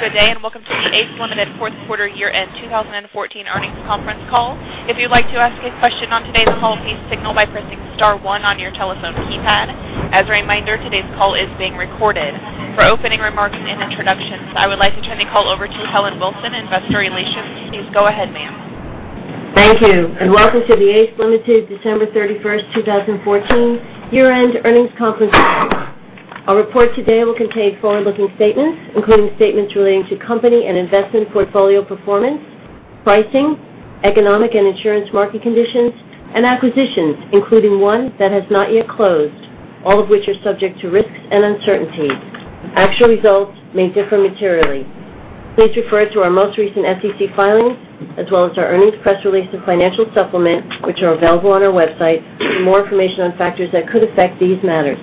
Good day, and welcome to the ACE Limited fourth quarter year-end 2014 earnings conference call. If you'd like to ask a question on today's call, please signal by pressing *1 on your telephone keypad. As a reminder, today's call is being recorded. For opening remarks and introductions, I would like to turn the call over to Helen Wilson, Investor Relations. Please go ahead, ma'am. Thank you. Welcome to the ACE Limited December 31st, 2014 year-end earnings conference call. Our report today will contain forward-looking statements, including statements relating to company and investment portfolio performance, pricing, economic and insurance market conditions, acquisitions, including one that has not yet closed, all of which are subject to risks and uncertainties. Actual results may differ materially. Please refer to our most recent SEC filings as well as our earnings press release and financial supplement, which are available on our website, for more information on factors that could affect these matters.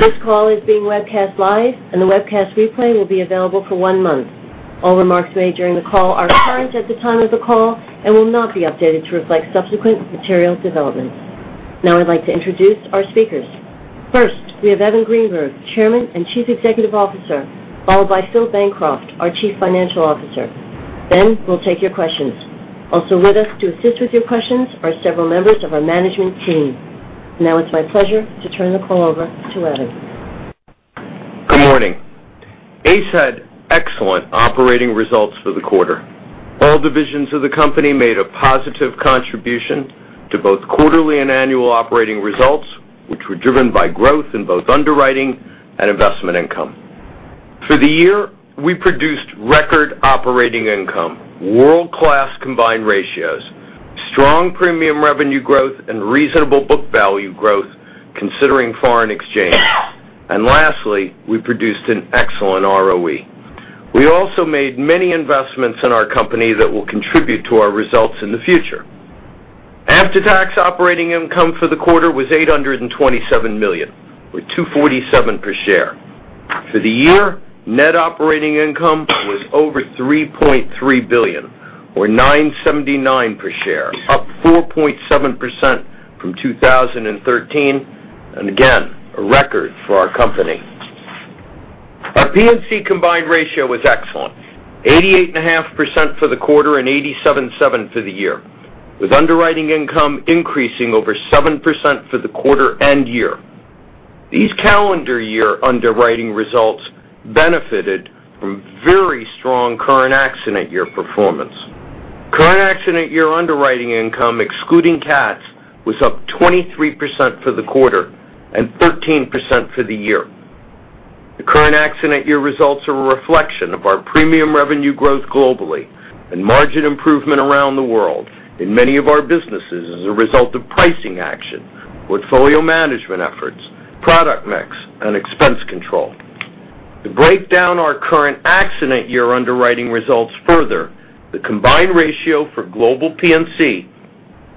This call is being webcast live. The webcast replay will be available for one month. All remarks made during the call are current at the time of the call and will not be updated to reflect subsequent material developments. I'd like to introduce our speakers. First, we have Evan Greenberg, Chairman and Chief Executive Officer, followed by Phil Bancroft, our Chief Financial Officer. We'll take your questions. Also with us to assist with your questions are several members of our management team. It's my pleasure to turn the call over to Evan. Good morning. ACE had excellent operating results for the quarter. All divisions of the company made a positive contribution to both quarterly and annual operating results, which were driven by growth in both underwriting and investment income. For the year, we produced record operating income, world-class combined ratios, strong premium revenue growth, reasonable book value growth considering foreign exchange. Lastly, we produced an excellent ROE. We also made many investments in our company that will contribute to our results in the future. After-tax operating income for the quarter was $827 million, with $2.47 per share. For the year, net operating income was over $3.3 billion, or $9.79 per share, up 4.7% from 2013. Again, a record for our company. Our P&C combined ratio was excellent, 88.5% for the quarter and 87.7% for the year, with underwriting income increasing over 7% for the quarter and year. These calendar year underwriting results benefited from very strong current accident year performance. Current accident year underwriting income, excluding CATs, was up 23% for the quarter and 13% for the year. The current accident year results are a reflection of our premium revenue growth globally and margin improvement around the world in many of our businesses as a result of pricing action, portfolio management efforts, product mix, and expense control. To break down our current accident year underwriting results further, the combined ratio for global P&C,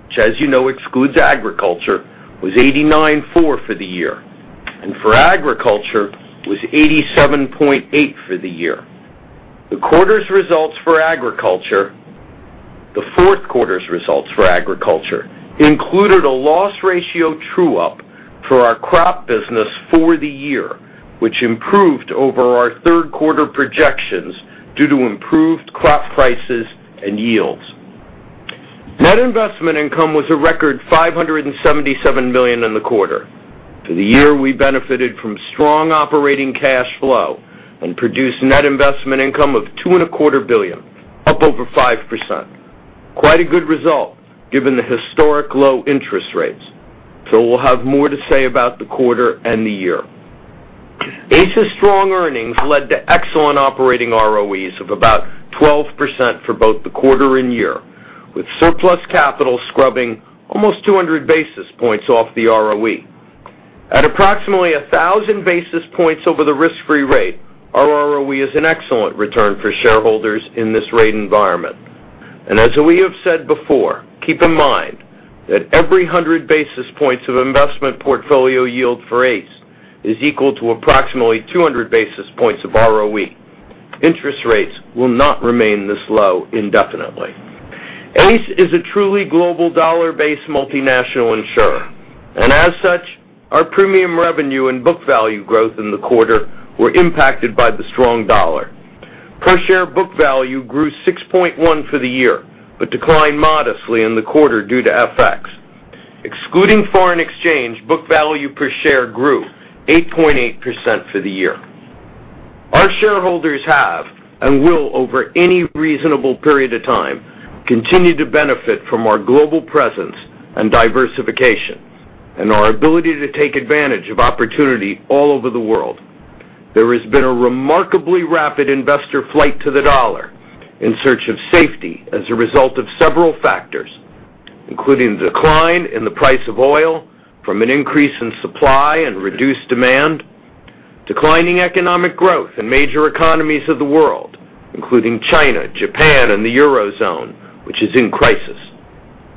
which as you know excludes agriculture, was 89.4 for the year, and for agriculture, was 87.8 for the year. The fourth quarter’s results for agriculture included a loss ratio true-up for our crop business for the year, which improved over our third quarter projections due to improved crop prices and yields. Net investment income was a record $577 million in the quarter. For the year, we benefited from strong operating cash flow and produced net investment income of two and a quarter billion, up over 5%. Quite a good result given the historic low interest rates. We’ll have more to say about the quarter and the year. ACE’s strong earnings led to excellent operating ROEs of about 12% for both the quarter and year, with surplus capital scrubbing almost 200 basis points off the ROE. At approximately 1,000 basis points over the risk-free rate, our ROE is an excellent return for shareholders in this rate environment. As we have said before, keep in mind that every 100 basis points of investment portfolio yield for ACE is equal to approximately 200 basis points of ROE. Interest rates will not remain this low indefinitely. ACE is a truly global dollar based multinational insurer. As such, our premium revenue and book value growth in the quarter were impacted by the strong dollar. Per share book value grew 6.1% for the year, but declined modestly in the quarter due to FX. Excluding foreign exchange, book value per share grew 8.8% for the year. Our shareholders have, and will over any reasonable period of time, continue to benefit from our global presence and diversification and our ability to take advantage of opportunity all over the world. There has been a remarkably rapid investor flight to the dollar in search of safety as a result of several factors, including the decline in the price of oil from an increase in supply and reduced demand, declining economic growth in major economies of the world, including China, Japan, and the Eurozone, which is in crisis,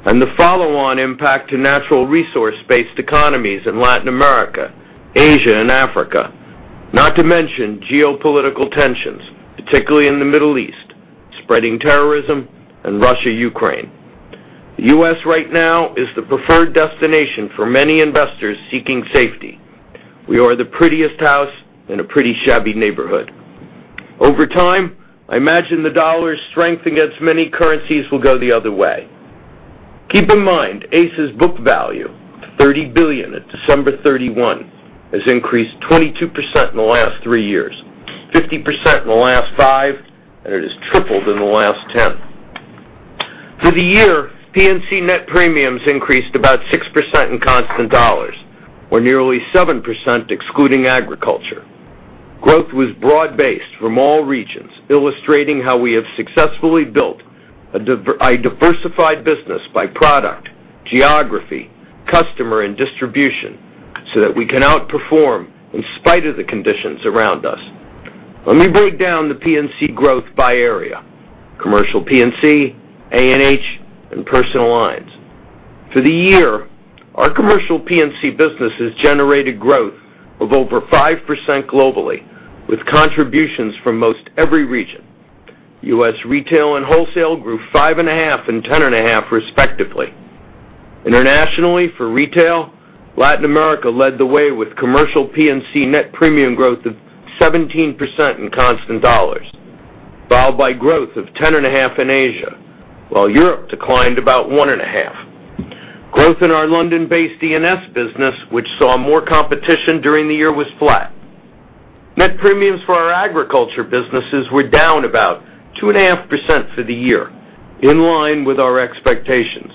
the follow-on impact to natural resource based economies in Latin America, Asia, and Africa. Not to mention geopolitical tensions, particularly in the Middle East, spreading terrorism, and Russia, Ukraine. The U.S. right now is the preferred destination for many investors seeking safety. We are the prettiest house in a pretty shabby neighborhood. Over time, I imagine the dollar’s strength against many currencies will go the other way. Keep in mind, ACE's book value of $30 billion at December 31 has increased 22% in the last three years, 50% in the last five, and it has tripled in the last 10. For the year, P&C net premiums increased about 6% in constant dollars, or nearly 7% excluding agriculture. Growth was broad-based from all regions, illustrating how we have successfully built a diversified business by product, geography, customer, and distribution so that we can outperform in spite of the conditions around us. Let me break down the P&C growth by area. Commercial P&C, A&H, and personal lines. For the year, our commercial P&C business has generated growth of over 5% globally, with contributions from most every region. U.S. retail and wholesale grew 5.5% and 10.5%, respectively. Internationally, for retail, Latin America led the way with commercial P&C net premium growth of 17% in constant dollars, followed by growth of 10.5% in Asia, while Europe declined about 1.5%. Growth in our London-based D&O business, which saw more competition during the year, was flat. Net premiums for our agriculture businesses were down about 2.5% for the year, in line with our expectations.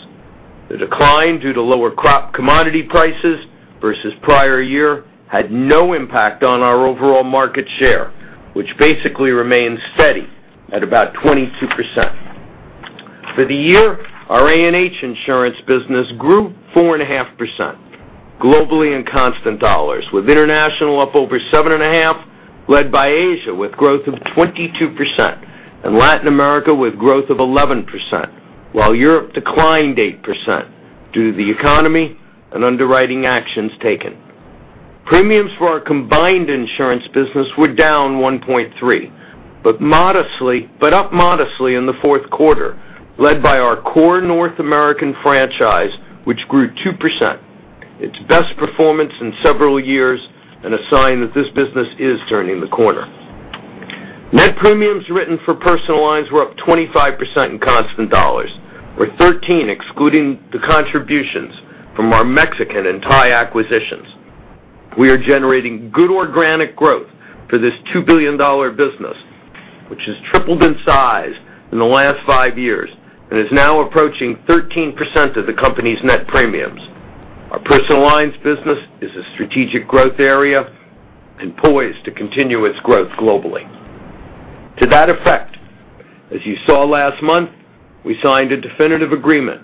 The decline due to lower crop commodity prices versus prior year had no impact on our overall market share, which basically remains steady at about 22%. For the year, our A&H insurance business grew 4.5% globally in constant dollars, with international up over 7.5%, led by Asia, with growth of 22%, and Latin America with growth of 11%, while Europe declined 8% due to the economy and underwriting actions taken. Premiums for our combined insurance business were down 1.3%, but up modestly in the fourth quarter, led by our core North American franchise, which grew 2%, its best performance in several years and a sign that this business is turning the corner. Net premiums written for personal lines were up 25% in constant dollars, or 13% excluding the contributions from our Mexican and Thai acquisitions. We are generating good organic growth for this $2 billion business, which has tripled in size in the last five years and is now approaching 13% of the company's net premiums. Our personal lines business is a strategic growth area and poised to continue its growth globally. To that effect, as you saw last month, we signed a definitive agreement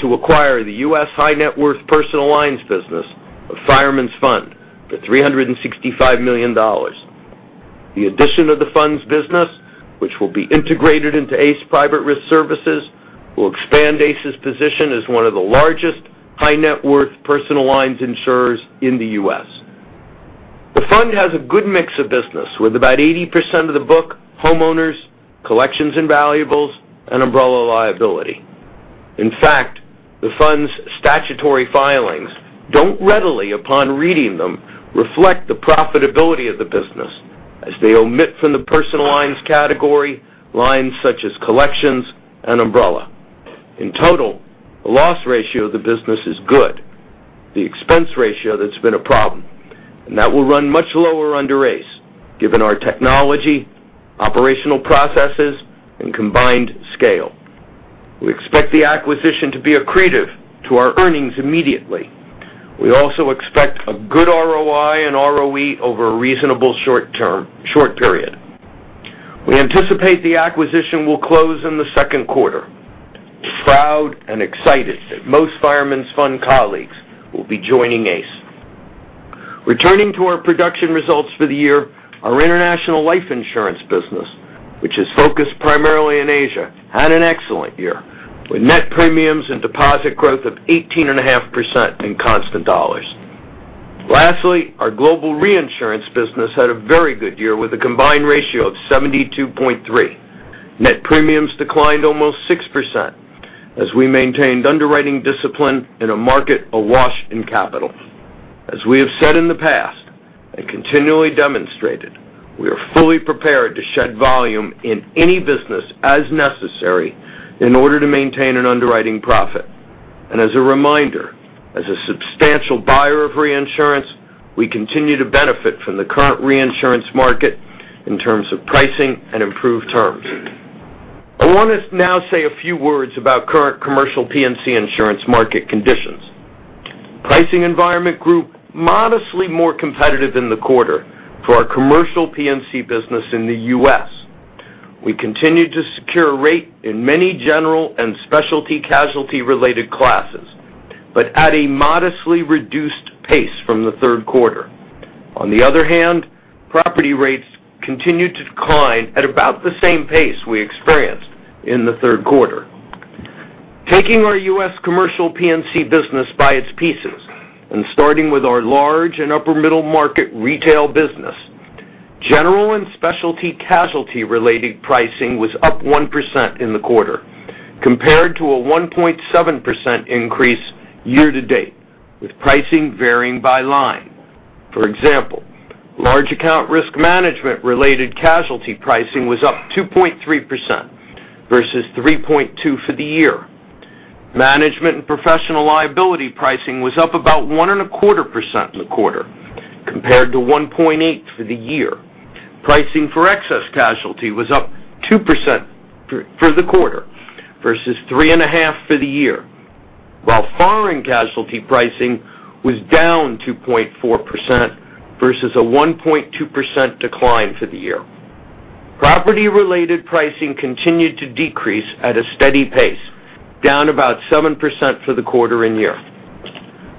to acquire the U.S. high net worth personal lines business of Fireman's Fund for $365 million. The addition of the Fund's business, which will be integrated into ACE Private Risk Services, will expand ACE's position as one of the largest high net worth personal lines insurers in the U.S. The Fund has a good mix of business, with about 80% of the book homeowners, collections and valuables, and umbrella liability. In fact, the Fund's statutory filings don't readily, upon reading them, reflect the profitability of the business, as they omit from the personal lines category lines such as collections and umbrella. In total, the loss ratio of the business is good. The expense ratio, that's been a problem, and that will run much lower under ACE, given our technology, operational processes, and combined scale. We expect the acquisition to be accretive to our earnings immediately. We also expect a good ROI and ROE over a reasonable short period. We anticipate the acquisition will close in the second quarter. We're proud and excited that most Fireman's Fund colleagues will be joining ACE. Returning to our production results for the year, our international life insurance business, which is focused primarily in Asia, had an excellent year, with net premiums and deposit growth of 18.5% in constant dollars. Lastly, our global reinsurance business had a very good year, with a combined ratio of 72.3%. Net premiums declined almost 6% as we maintained underwriting discipline in a market awash in capital. As we have said in the past and continually demonstrated, we are fully prepared to shed volume in any business as necessary in order to maintain an underwriting profit. As a reminder, as a substantial buyer of reinsurance, we continue to benefit from the current reinsurance market in terms of pricing and improved terms. I want to now say a few words about current commercial P&C insurance market conditions. Pricing environment grew modestly more competitive in the quarter for our commercial P&C business in the U.S. We continued to secure rate in many general and specialty casualty related classes, but at a modestly reduced pace from the third quarter. On the other hand, property rates continued to decline at about the same pace we experienced in the third quarter. Taking our U.S. commercial P&C business by its pieces and starting with our large and upper middle market retail business. General and specialty casualty related pricing was up 1% in the quarter compared to a 1.7% increase year to date, with pricing varying by line. For example, large account risk management related casualty pricing was up 2.3% versus 3.2% for the year. Management and professional liability pricing was up about 1.25% in the quarter compared to 1.8% for the year. Pricing for excess casualty was up 2% for the quarter versus 3.5% for the year. While foreign casualty pricing was down 2.4% versus a 1.2% decline for the year. Property related pricing continued to decrease at a steady pace, down about 7% for the quarter and year.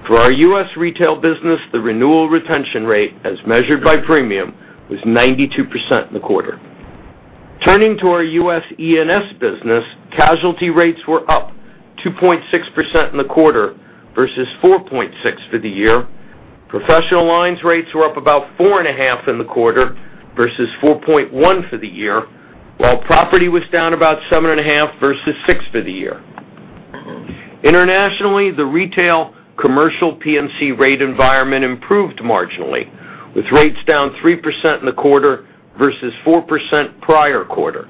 For our U.S. retail business, the renewal retention rate, as measured by premium, was 92% in the quarter. Turning to our U.S. E&S business, casualty rates were up 2.6% in the quarter versus 4.6% for the year. Professional lines rates were up about 4.5% in the quarter versus 4.1% for the year, while property was down about 7.5% versus 6% for the year. Internationally, the retail commercial P&C rate environment improved marginally, with rates down 3% in the quarter versus 4% prior quarter.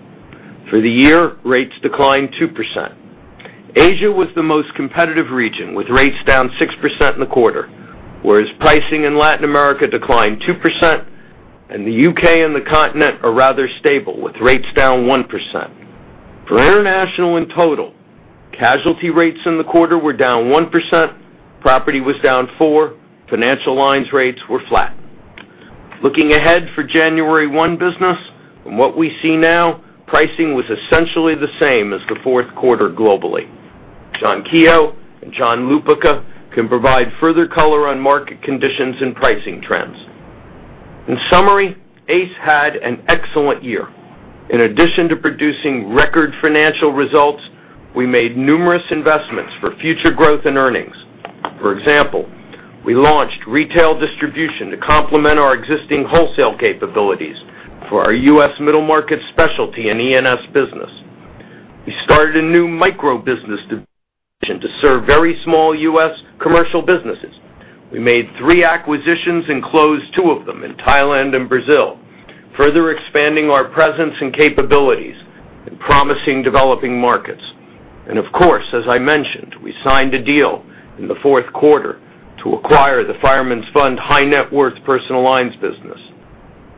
For the year, rates declined 2%. Asia was the most competitive region, with rates down 6% in the quarter. Whereas pricing in Latin America declined 2%, and the U.K. and the Continent are rather stable, with rates down 1%. For international in total, casualty rates in the quarter were down 1%, property was down 4%, financial lines rates were flat. Looking ahead for January 1 business, from what we see now, pricing was essentially the same as the fourth quarter globally. John Keogh and John Lupica can provide further color on market conditions and pricing trends. In summary, ACE had an excellent year. In addition to producing record financial results, we made numerous investments for future growth and earnings. For example, we launched retail distribution to complement our existing wholesale capabilities for our U.S. middle market specialty and E&S business. We started a new micro-business division to serve very small U.S. commercial businesses. We made 3 acquisitions and closed 2 of them in Thailand and Brazil, further expanding our presence and capabilities in promising developing markets. Of course, as I mentioned, we signed a deal in the fourth quarter to acquire the Fireman's Fund high net worth personal lines business.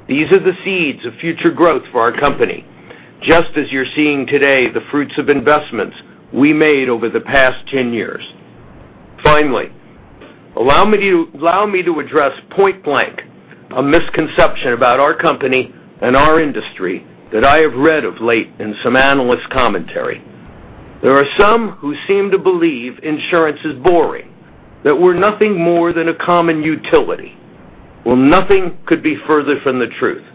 These are the seeds of future growth for our company. Just as you're seeing today the fruits of investments we made over the past 10 years. Finally, allow me to address point blank a misconception about our company and our industry that I have read of late in some analyst commentary. There are some who seem to believe insurance is boring, that we're nothing more than a common utility. Well, nothing could be further from the truth.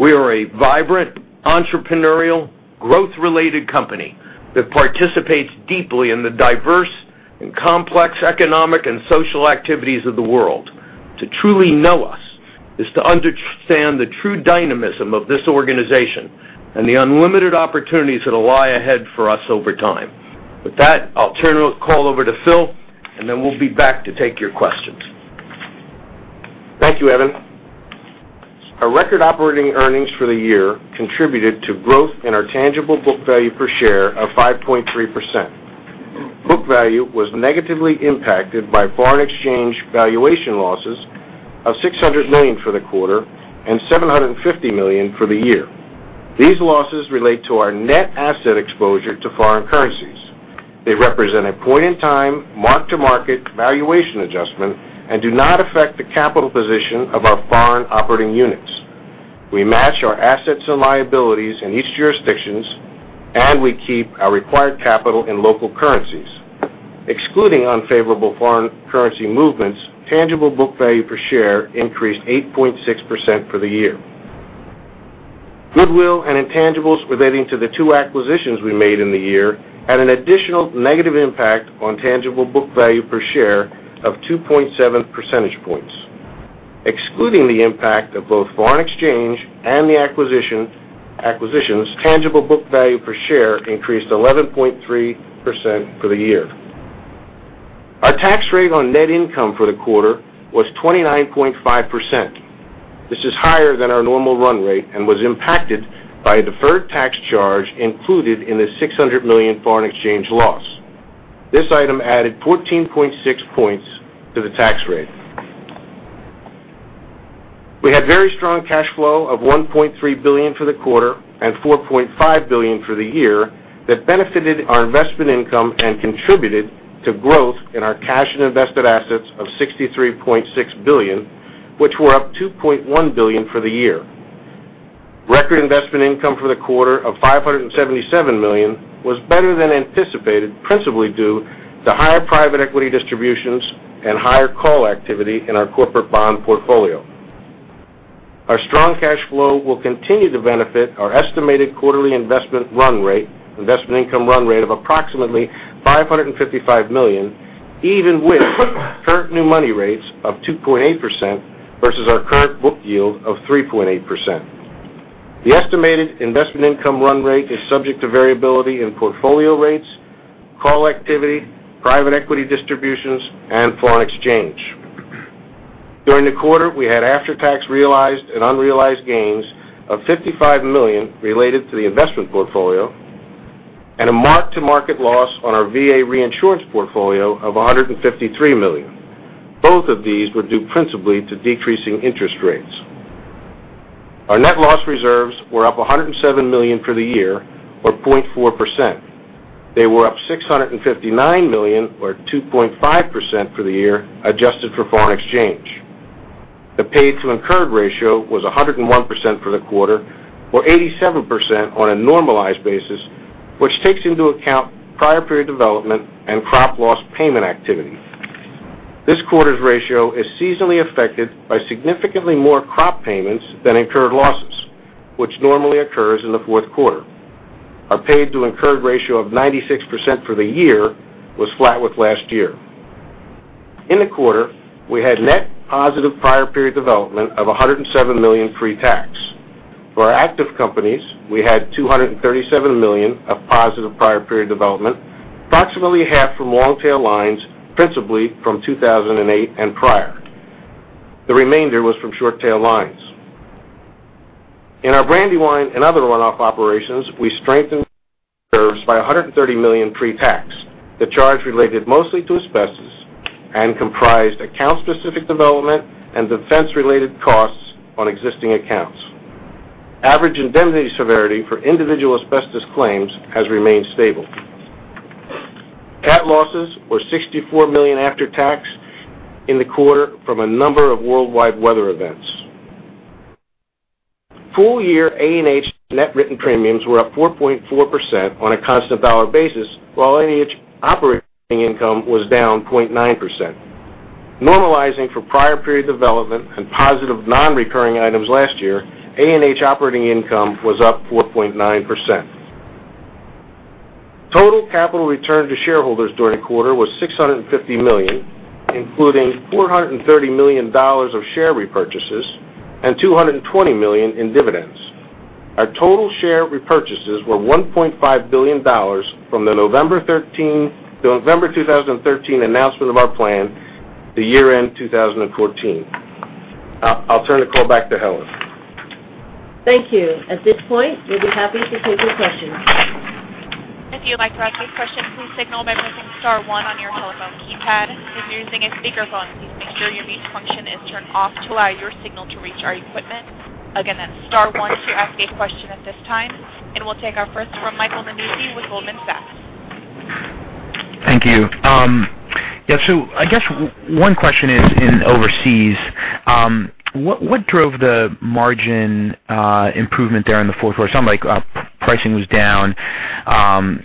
We are a vibrant, entrepreneurial, growth-related company that participates deeply in the diverse and complex economic and social activities of the world. To truly know us is to understand the true dynamism of this organization and the unlimited opportunities that lie ahead for us over time. With that, I'll turn the call over to Phil, and then we'll be back to take your questions. Thank you, Evan. Our record operating earnings for the year contributed to growth in our tangible book value per share of 5.3%. Book value was negatively impacted by foreign exchange valuation losses of $600 million for the quarter and $750 million for the year. These losses relate to our net asset exposure to foreign currencies. They represent a point-in-time, mark-to-market valuation adjustment and do not affect the capital position of our foreign operating units. We match our assets and liabilities in each jurisdictions, and we keep our required capital in local currencies. Excluding unfavorable foreign currency movements, tangible book value per share increased 8.6% for the year. Goodwill and intangibles relating to the 2 acquisitions we made in the year had an additional negative impact on tangible book value per share of 2.7 percentage points. Excluding the impact of both foreign exchange and the acquisitions, tangible book value per share increased 11.3% for the year. Our tax rate on net income for the quarter was 29.5%. This is higher than our normal run rate and was impacted by a deferred tax charge included in the $600 million foreign exchange loss. This item added 14.6 points to the tax rate. We had very strong cash flow of $1.3 billion for the quarter and $4.5 billion for the year that benefited our investment income and contributed to growth in our cash and invested assets of $63.6 billion, which were up $2.1 billion for the year. Record investment income for the quarter of $577 million was better than anticipated, principally due to higher private equity distributions and higher call activity in our corporate bond portfolio. Our strong cash flow will continue to benefit our estimated quarterly investment income run rate of approximately $555 million. Even with current new money rates of 2.8% versus our current book yield of 3.8%. The estimated investment income run rate is subject to variability in portfolio rates, call activity, private equity distributions, and foreign exchange. During the quarter, we had after-tax realized and unrealized gains of $55 million related to the investment portfolio and a mark-to-market loss on our VA reinsurance portfolio of $153 million. Both of these were due principally to decreasing interest rates. Our net loss reserves were up $107 million for the year or 0.4%. They were up $659 million or 2.5% for the year, adjusted for foreign exchange. The paid to incurred ratio was 101% for the quarter or 87% on a normalized basis, which takes into account prior period development and crop loss payment activity. This quarter's ratio is seasonally affected by significantly more crop payments than incurred losses, which normally occurs in the fourth quarter. Our paid to incurred ratio of 96% for the year was flat with last year. In the quarter, we had net positive prior period development of $107 million pre-tax. For our active companies, we had $237 million of positive prior period development, approximately half from long-tail lines, principally from 2008 and prior. The remainder was from short tail lines. In our Brandywine and other runoff operations, we strengthened reserves by $130 million pre-tax. The charge related mostly to asbestos and comprised account specific development and defense related costs on existing accounts. Average indemnity severity for individual asbestos claims has remained stable. Cat losses were $64 million after tax in the quarter from a number of worldwide weather events. Full year A&H net written premiums were up 4.4% on a constant dollar basis, while A&H operating income was down 0.9%. Normalizing for prior period development and positive non-recurring items last year, A&H operating income was up 4.9%. Total capital return to shareholders during the quarter was $650 million, including $430 million of share repurchases and $220 million in dividends. Our total share repurchases were $1.5 billion from the November 2013 announcement of our plan to year end 2014. I'll turn the call back to Helen. Thank you. At this point, we'll be happy to take your questions. If you'd like to ask a question, please signal by pressing star one on your telephone keypad. If you're using a speakerphone, please make sure your mute function is turned off to allow your signal to reach our equipment. Again, that's star one to ask a question at this time. We'll take our first from Michael Nannizzi with Goldman Sachs. Thank you. I guess one question is in overseas, what drove the margin improvement there in the fourth quarter? It sounds like pricing was down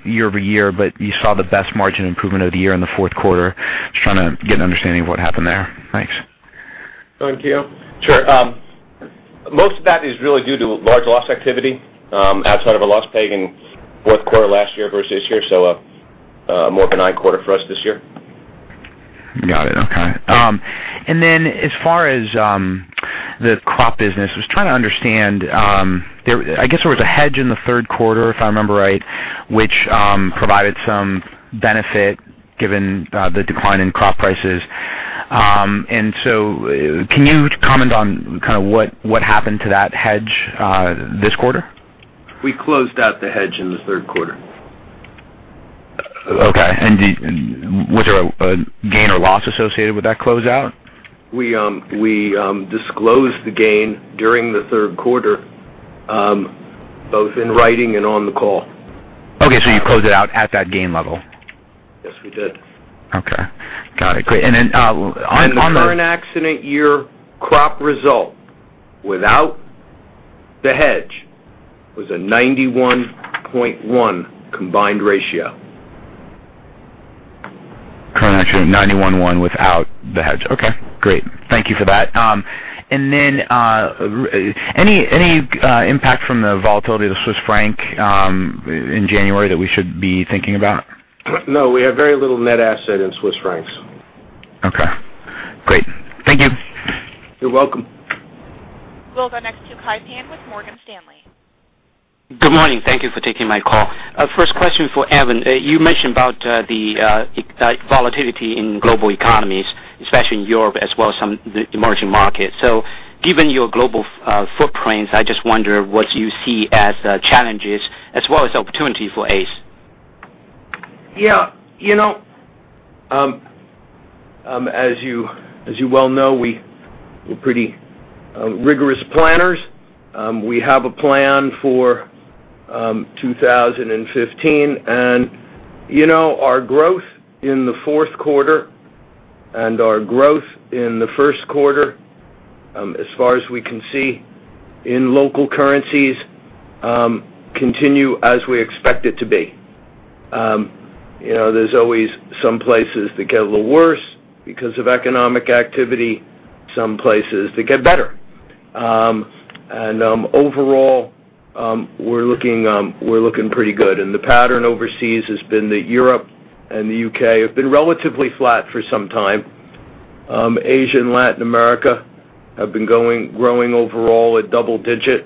year-over-year, you saw the best margin improvement of the year in the fourth quarter. Just trying to get an understanding of what happened there. Thanks. Thank you. Sure. Most of that is really due to large loss activity outside of a loss pay in fourth quarter last year versus this year, a more benign quarter for us this year. Got it. Okay. As far as the crop business, I was trying to understand, I guess there was a hedge in the third quarter, if I remember right, which provided some benefit given the decline in crop prices. Can you comment on what happened to that hedge this quarter? We closed out the hedge in the third quarter. Okay. Was there a gain or loss associated with that closeout? We disclosed the gain during the third quarter, both in writing and on the call. Okay, you closed it out at that gain level? Yes, we did. Okay. Got it. Great. The current accident year crop result without the hedge was a 91.1 combined ratio. Current accident, 91.1 without the hedge. Okay, great. Thank you for that. Then any impact from the volatility of the Swiss franc in January that we should be thinking about? No, we have very little net asset in Swiss francs. Okay, great. Thank you. You're welcome. We'll go next to Kai Pan with Morgan Stanley. Good morning. Thank you for taking my call. First question for Evan. Given your global footprint, I just wonder what you see as challenges as well as opportunities for ACE. Yeah. As you well know, we're pretty rigorous planners. We have a plan for 2015, our growth in the fourth quarter and our growth in the first quarter, as far as we can see in local currencies, continue as we expect it to be. There's always some places that get a little worse because of economic activity, some places that get better. Overall, we're looking pretty good. The pattern overseas has been that Europe and the U.K. have been relatively flat for some time. Asia and Latin America have been growing overall at double-digit.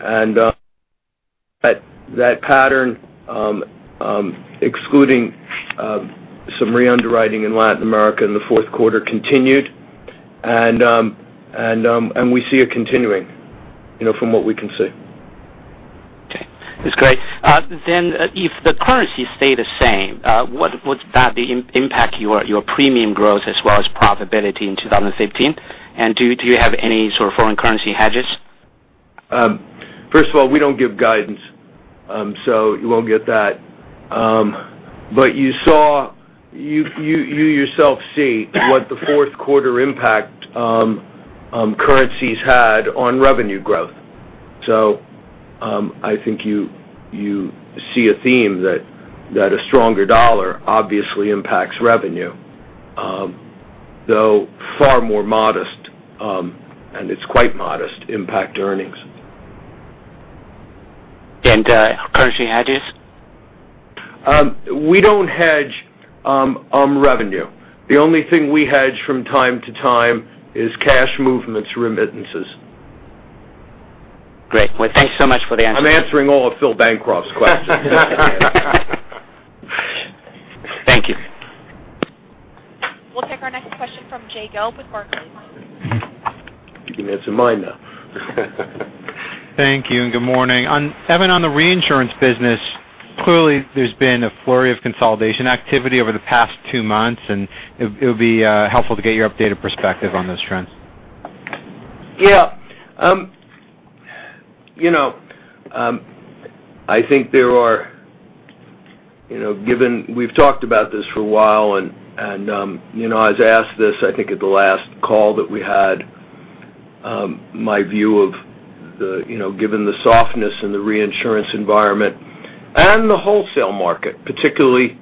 That pattern, excluding some re-underwriting in Latin America in the fourth quarter continued, and we see it continuing from what we can see. Okay. That's great. If the currency stay the same, what's that impact your premium growth as well as profitability in 2015? Do you have any sort of foreign currency hedges? First of all, we don't give guidance, so you won't get that. You yourself see what the fourth quarter impact currencies had on revenue growth. I think you see a theme that a stronger dollar obviously impacts revenue, though far more modest, and it's quite modest impact to earnings. Currency hedges? We don't hedge on revenue. The only thing we hedge from time to time is cash movements remittances. Great. Well, thanks so much for the answer. I'm answering all of Phil Bancroft's questions. Thank you. We'll take our next question from Jay Gelb with Barclays. You can answer mine now. Thank you, good morning. Evan, on the reinsurance business, clearly there's been a flurry of consolidation activity over the past two months. It would be helpful to get your updated perspective on those trends. Yeah. Given we've talked about this for a while, I was asked this, I think, at the last call that we had, my view of, given the softness in the reinsurance environment and the wholesale market, particularly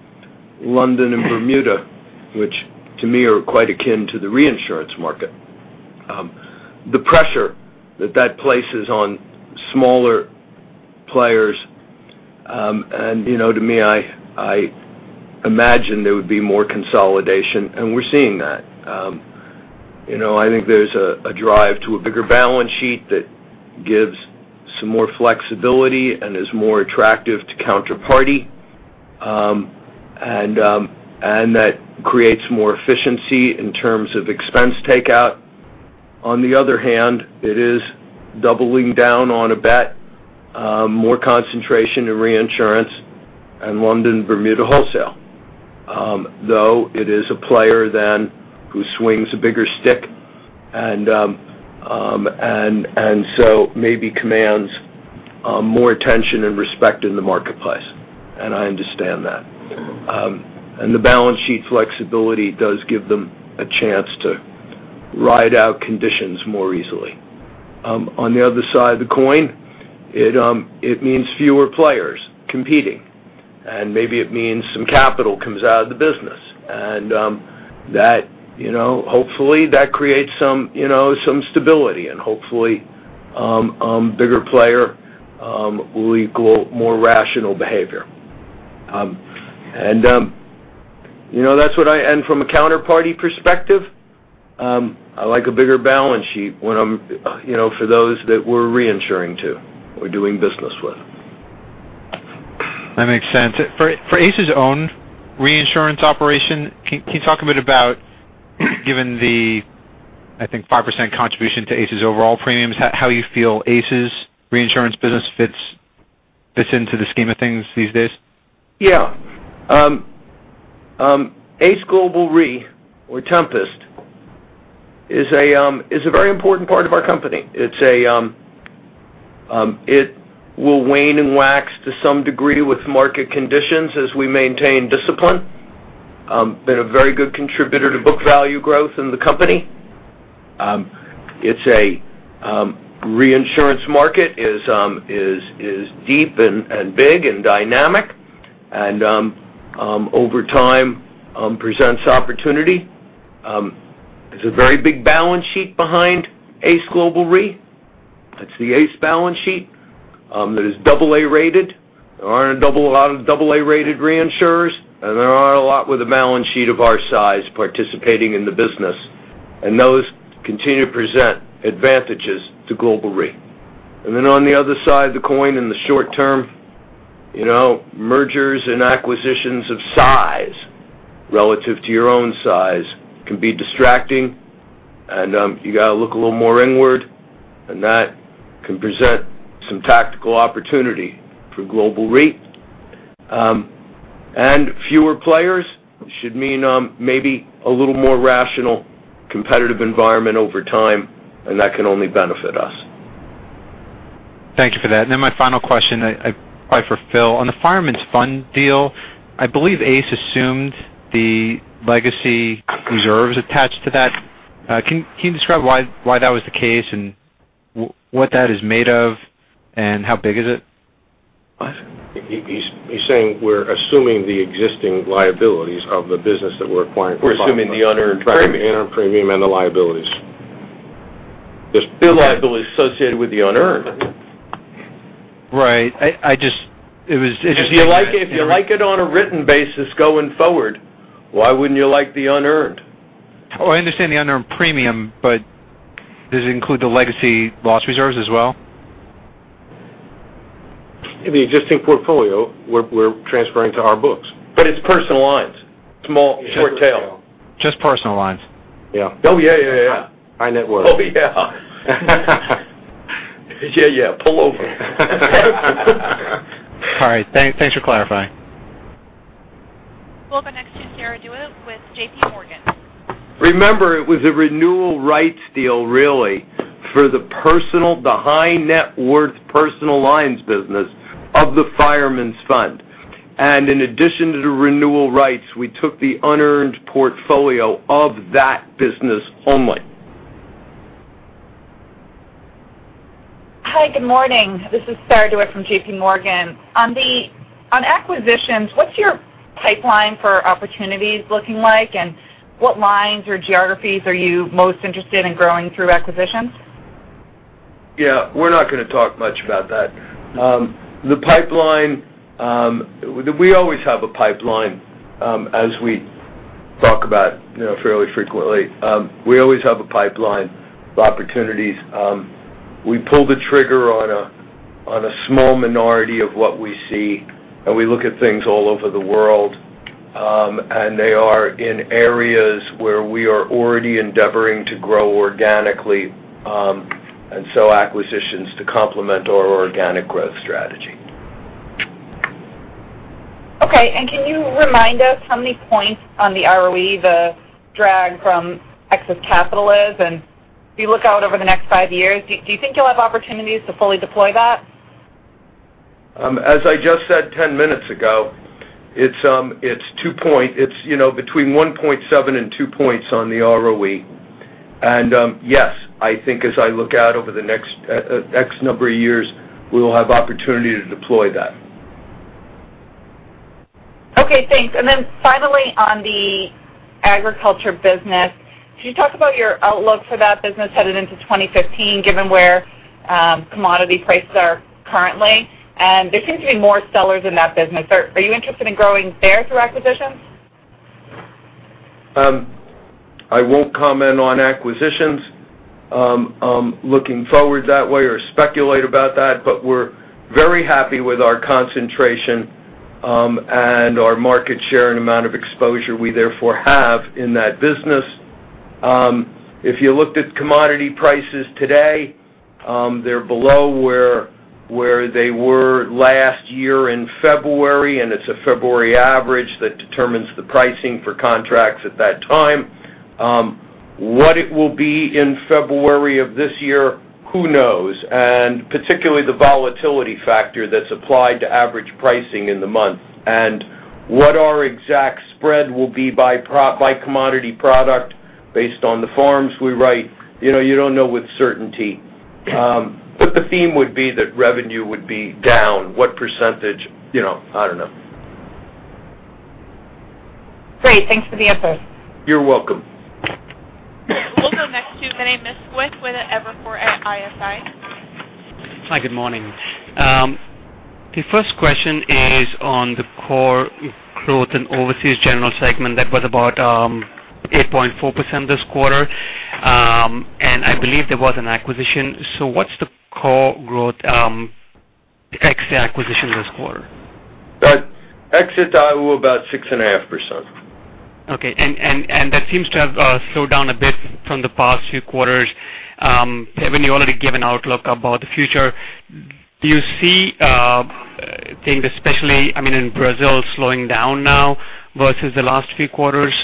London and Bermuda, which to me are quite akin to the reinsurance market, the pressure that that places on smaller players. To me, I imagine there would be more consolidation. We're seeing that. I think there's a drive to a bigger balance sheet that gives some more flexibility and is more attractive to counterparty. That creates more efficiency in terms of expense takeout. On the other hand, it is doubling down on a bet, more concentration in reinsurance in London and Bermuda wholesale. It is a player then who swings a bigger stick, maybe commands more attention and respect in the marketplace. I understand that. The balance sheet flexibility does give them a chance to ride out conditions more easily. On the other side of the coin, it means fewer players competing. Maybe it means some capital comes out of the business. Hopefully, that creates some stability. Hopefully a bigger player will equal more rational behavior. From a counterparty perspective, I like a bigger balance sheet for those that we're reinsuring to or doing business with. That makes sense. For ACE's own reinsurance operation, can you talk a bit about, given the, I think 5% contribution to ACE's overall premiums, how you feel ACE's reinsurance business fits into the scheme of things these days? Yeah. ACE Global Re or Tempest is a very important part of our company. It will wane and wax to some degree with market conditions as we maintain discipline. Been a very good contributor to book value growth in the company. Its reinsurance market is deep and big and dynamic, and over time presents opportunity. There's a very big balance sheet behind ACE Global Re. That's the ACE balance sheet that is double A rated. There aren't a lot of double A rated reinsurers, and there aren't a lot with a balance sheet of our size participating in the business, and those continue to present advantages to Global Re. On the other side of the coin, in the short term, mergers and acquisitions of size relative to your own size can be distracting, and you got to look a little more inward, and that can present some tactical opportunity for Global Re. Fewer players should mean maybe a little more rational, competitive environment over time, and that can only benefit us. Thank you for that. My final question, probably for Phil. On the Fireman's Fund deal, I believe ACE assumed the legacy reserves attached to that. Can you describe why that was the case and what that is made of and how big is it? What? He's saying we're assuming the existing liabilities of the business that we're acquiring. We're assuming the unearned premium. Right. The unearned premium and the liabilities. There's still liabilities associated with the unearned. Right. If you like it on a written basis going forward, why wouldn't you like the unearned? Oh, I understand the unearned premium, but does it include the legacy loss reserves as well? In the existing portfolio, we're transferring to our books. It's personal lines, small, short tail. Just personal lines. Yeah. Oh, yeah. High net worth. Oh, yeah. Yeah. Pull over. All right. Thanks for clarifying. We'll go next to Sarah DeWitt with J.P. Morgan. Remember, it was a renewal rights deal, really, for the high net worth personal lines business of the Fireman's Fund. In addition to the renewal rights, we took the unearned portfolio of that business only. Hi, good morning. This is Sarah DeWitt from J.P. Morgan. On acquisitions, what's your pipeline for opportunities looking like? What lines or geographies are you most interested in growing through acquisitions? Yeah, we're not going to talk much about that. We always have a pipeline, as we talk about fairly frequently. We always have a pipeline of opportunities. We pull the trigger on a small minority of what we see. We look at things all over the world. They are in areas where we are already endeavoring to grow organically. Acquisitions to complement our organic growth strategy. Okay. Can you remind us how many points on the ROE the drag from excess capital is? If you look out over the next 5 years, do you think you'll have opportunities to fully deploy that? As I just said 10 minutes ago, it's between 1.7 and 2 points on the ROE. Yes, I think as I look out over the next X number of years, we will have opportunity to deploy that. Okay, thanks. Then finally, on the agriculture business, could you talk about your outlook for that business headed into 2015, given where commodity prices are currently? There seems to be more sellers in that business. Are you interested in growing there through acquisitions? I won't comment on acquisitions looking forward that way or speculate about that, but we're very happy with our concentration and our market share and amount of exposure we therefore have in that business. If you looked at commodity prices today, they're below where they were last year in February, and it's a February average that determines the pricing for contracts at that time. What it will be in February of this year, who knows? Particularly the volatility factor that's applied to average pricing in the month. What our exact spread will be by commodity product based on the forms we write, you don't know with certainty. The theme would be that revenue would be down. What percentage, I don't know. Great. Thanks for the input. You're welcome. We'll go next to Vinay Misquith with Evercore ISI. Hi, good morning. The first question is on the core growth and Overseas General segment that was about 8.4% this quarter. I believe there was an acquisition. What's the core growth ex the acquisition this quarter? [Exit dial] about 6.5%. Okay. That seems to have slowed down a bit from the past few quarters. Haven't you already given outlook about the future? Do you see things, especially in Brazil, slowing down now versus the last few quarters?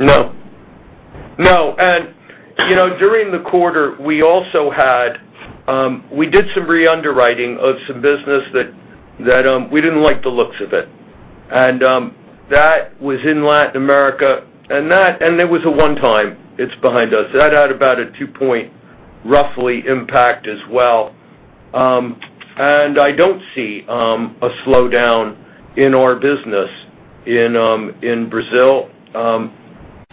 No. During the quarter, we did some re-underwriting of some business that we didn't like the looks of it. That was in Latin America, and it was a one-time. It's behind us. That had about a two-point, roughly, impact as well. I don't see a slowdown in our business in Brazil.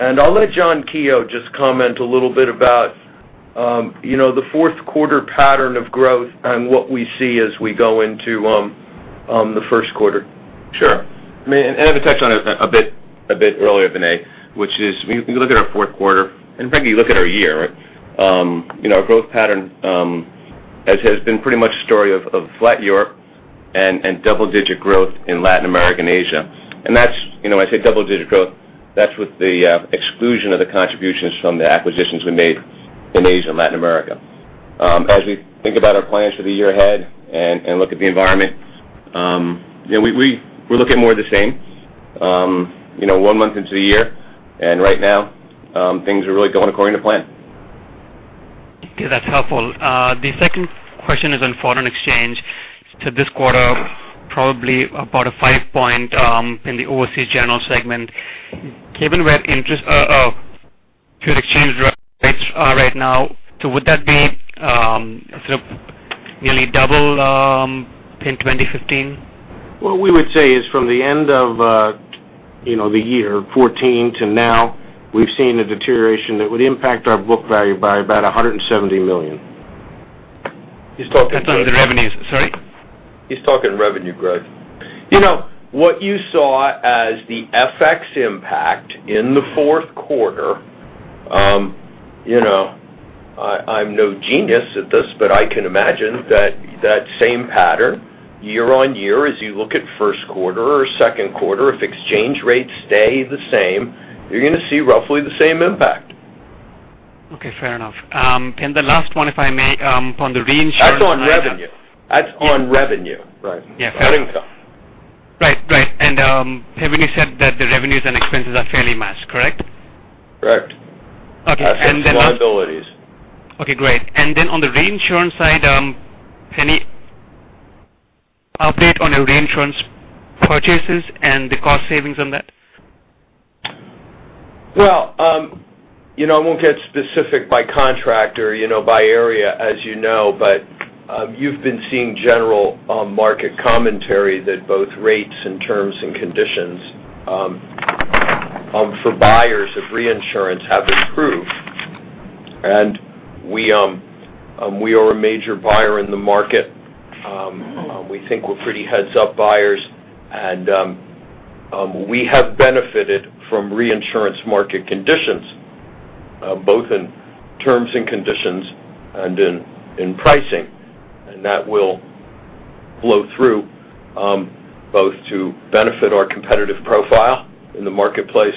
I'll let John Keogh just comment a little bit about the fourth quarter pattern of growth and what we see as we go into the first quarter. Sure. I mean, I've touched on it a bit earlier, Vinay, which is when you look at our fourth quarter, frankly, you look at our year, our growth pattern has been pretty much a story of flat Europe and double-digit growth in Latin America and Asia. When I say double-digit growth, that's with the exclusion of the contributions from the acquisitions we made in Asia and Latin America. As we think about our plans for the year ahead and look at the environment, we're looking more the same. One month into the year, right now, things are really going according to plan. Okay, that's helpful. The second question is on foreign exchange to this quarter, probably about a five-point in the Overseas General segment, given where the exchange rates are right now. Would that be sort of nearly double in 2015? What we would say is from the end of the year 2014 to now, we've seen a deterioration that would impact our book value by about $170 million. That's on the revenues. Sorry? He's talking revenue, [Greg]. What you saw as the FX impact in the fourth quarter, I'm no genius at this, but I can imagine that same pattern year-over-year as you look at first quarter or second quarter, if exchange rates stay the same, you're going to see roughly the same impact. Okay, fair enough. The last one, if I may, from the reinsurance- That's on revenue. That's on revenue. Right. Yeah. Not income. Right. Have you said that the revenues and expenses are fairly matched, correct? Correct. Okay. Assets and liabilities. Okay, great. Then on the reinsurance side, any update on your reinsurance purchases and the cost savings on that? Well, I won't get specific by contractor, by area, as you know, but you've been seeing general market commentary that both rates and terms and conditions for buyers of reinsurance have improved. We are a major buyer in the market. We think we're pretty heads up buyers, and we have benefited from reinsurance market conditions, both in terms and conditions and in pricing. That will flow through, both to benefit our competitive profile in the marketplace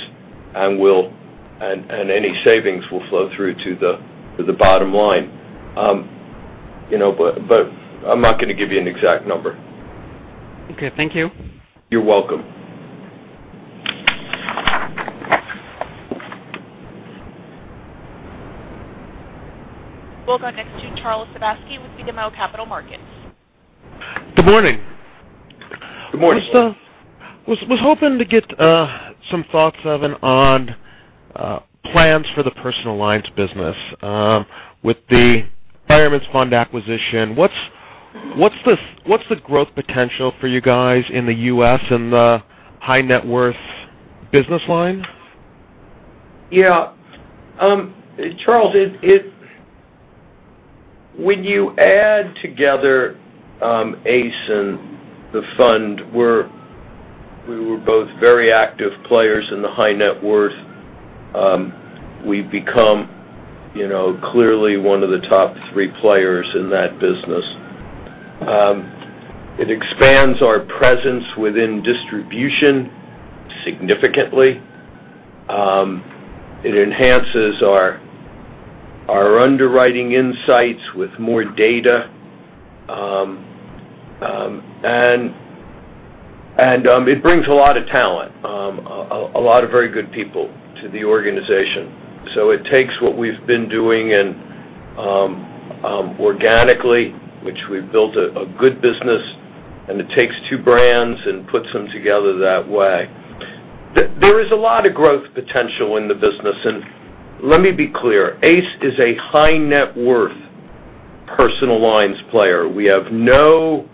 and any savings will flow through to the bottom line. I'm not going to give you an exact number. Okay. Thank you. You're welcome. We'll go next to Charles Sebaski with BMO Capital Markets. Good morning. Good morning. I was hoping to get some thoughts, Evan, on plans for the personal lines business with the Fireman's Fund acquisition. What's the growth potential for you guys in the U.S. and the high net worth business line? Yeah. Charles, when you add together ACE and the fund, we were both very active players in the high net worth. We've become clearly one of the top three players in that business. It expands our presence within distribution significantly. It enhances our underwriting insights with more data. It brings a lot of talent, a lot of very good people to the organization. It takes what we've been doing organically, which we've built a good business, and it takes two brands and puts them together that way. There is a lot of growth potential in the business, and let me be clear, ACE is a high net worth personal lines player. We have no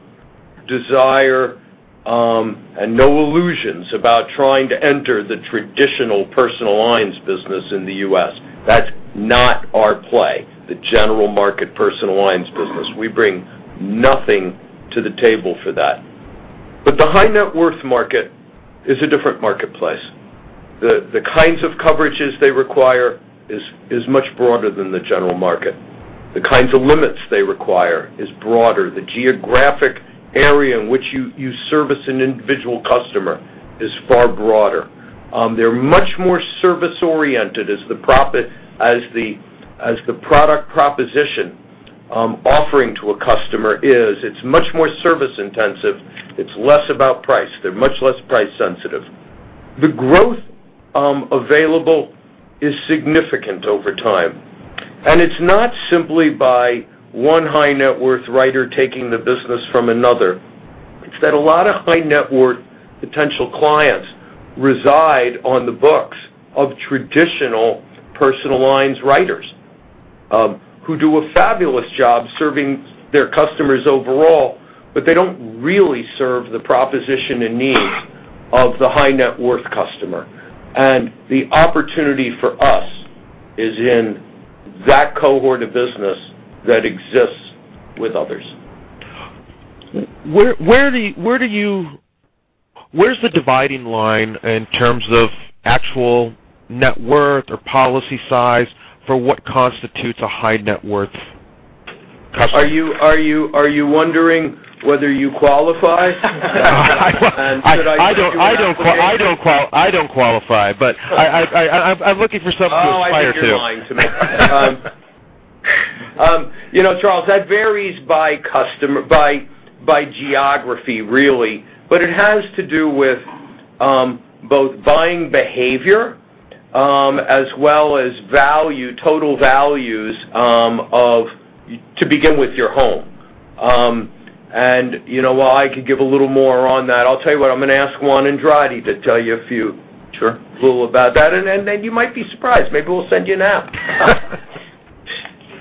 desire and no illusions about trying to enter the traditional personal lines business in the U.S. That's not our play, the general market personal lines business. We bring nothing to the table for that. The high net worth market is a different marketplace. The kinds of coverages they require is much broader than the general market. The kinds of limits they require is broader. The geographic area in which you service an individual customer is far broader. They're much more service oriented as the product proposition offering to a customer is. It's much more service intensive. It's less about price. They're much less price sensitive. The growth available is significant over time, and it's not simply by one high net worth writer taking the business from another. It's that a lot of high net worth potential clients reside on the books of traditional personal lines writers who do a fabulous job serving their customers overall, but they don't really serve the proposition and needs of the high net worth customer. The opportunity for us is in that cohort of business that exists with others. Where's the dividing line in terms of actual net worth or policy size for what constitutes a high net worth customer? Are you wondering whether you qualify? I don't qualify. Should I send you an application? I don't qualify, but I'm looking for something to aspire to. I think you're lying to me. Charles, that varies by geography, really. It has to do with both buying behavior as well as total values of, to begin with, your home. While I could give a little more on that, I'll tell you what, I'm going to ask Juan Andrade to tell you a few- Sure little about that. Then you might be surprised. Maybe we'll send you an app.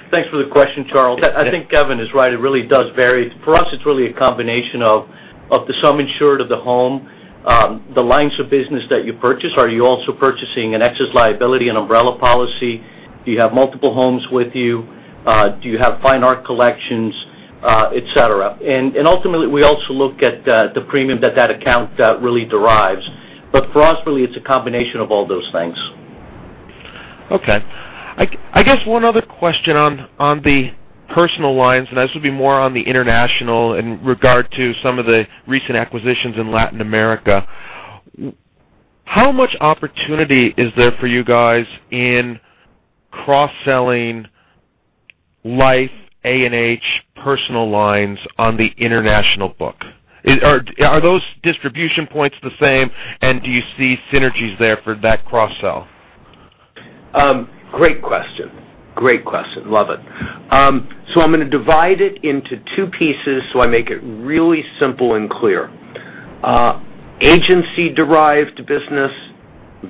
Thanks for the question, Charles. I think Evan is right. It really does vary. For us, it's really a combination of the sum insured of the home, the lines of business that you purchase. Are you also purchasing an excess liability and umbrella policy? Do you have multiple homes with you? Do you have fine art collections, et cetera? Ultimately, we also look at the premium that that account really derives. For us, really, it's a combination of all those things. Okay. I guess one other question on the personal lines. This would be more on the international in regard to some of the recent acquisitions in Latin America. How much opportunity is there for you guys in cross-selling life, A&H personal lines on the international book? Are those distribution points the same? Do you see synergies there for that cross-sell? Great question. Love it. I'm going to divide it into two pieces so I make it really simple and clear. Agency-derived business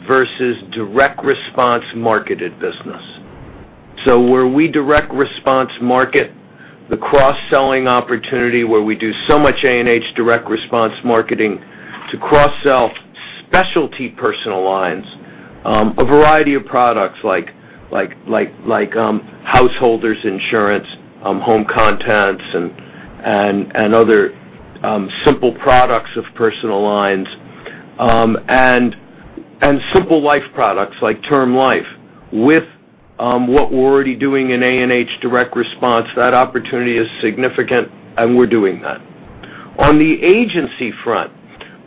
versus direct response marketed business. Where we direct response market the cross-selling opportunity, where we do so much A&H direct response marketing to cross-sell specialty personal lines, a variety of products like householder's insurance, home contents, and other simple products of personal lines, and simple life products like term life. With what we're already doing in A&H direct response, that opportunity is significant. We're doing that. On the agency front,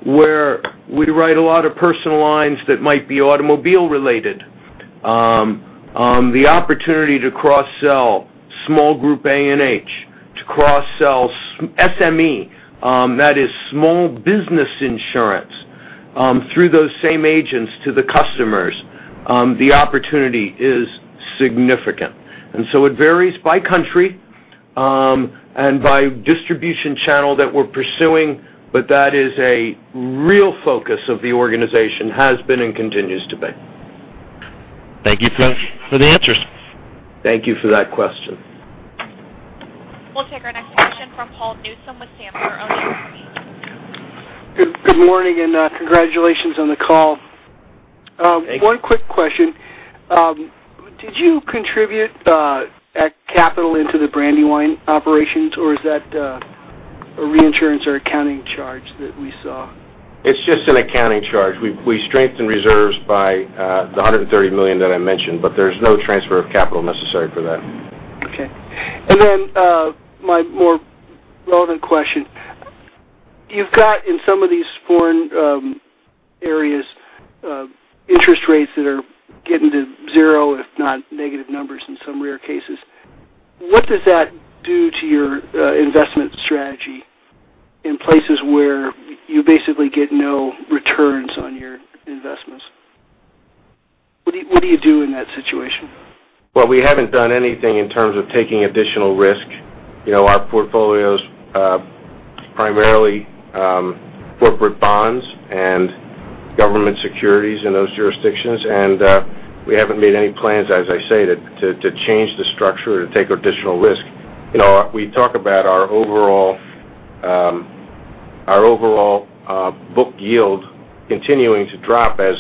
where we write a lot of personal lines that might be automobile related, the opportunity to cross-sell small group A&H, to cross-sell SME, that is small business insurance, through those same agents to the customers, the opportunity is significant. It varies by country, by distribution channel that we're pursuing, that is a real focus of the organization, has been and continues to be. Thank you for the answers. Thank you for that question. We'll take our next question from Paul Newsome with Sandler O'Neill. Good morning, congratulations on the call. Thank you. One quick question. Did you contribute capital into the Brandywine operations, or is that a reinsurance or accounting charge that we saw? It's just an accounting charge. We strengthened reserves by the $130 million that I mentioned, but there's no transfer of capital necessary for that. Okay. Then my more relevant question. You've got in some of these foreign areas, interest rates that are getting to zero, if not negative numbers in some rare cases. What does that do to your investment strategy in places where you basically get no returns on your investments? What do you do in that situation? Well, we haven't done anything in terms of taking additional risk. Our portfolio's primarily corporate bonds and government securities in those jurisdictions, and we haven't made any plans, as I say, to change the structure or to take additional risk. We talk about our overall book yield continuing to drop as